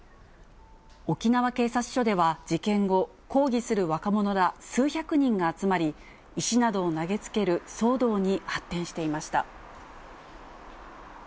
沖縄警察署では事件後、抗議する若者ら数百人が集まり、石などを投げつける騒動に発展していました。